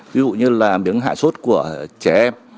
ví dụ như là miếng hạ sốt của trẻ em